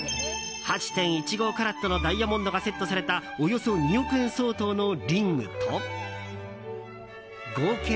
８．１５カラットのダイヤモンドがセットされたおよそ２億円相当のリングと合計